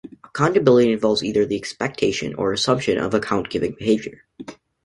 Accountability involves either the expectation or assumption of account-giving behavior.